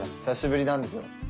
久しぶりなんですよ。